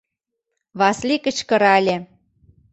— Васлий кычкырале.